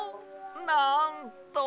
なんと！